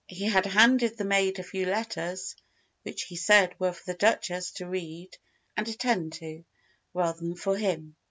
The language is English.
He had handed the maid a few letters, which he said were for the Duchess to read and attend to, rather than for him.